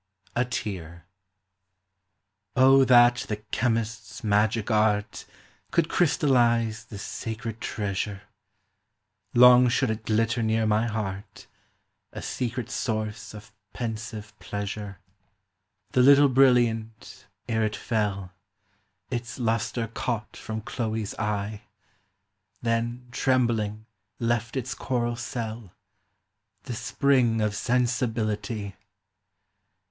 A TEAK. that the chemist's magic art Could crystallize this sacred treasure I Long should it glitter near my heart, A secret source of pensive pleasure 272 POEMS OF SENTIMENT. The little brilliant, ere it fell, Its lustre caught from Chloe's eye ; Then, trembling, left its coral cell, — The spring of Sensibility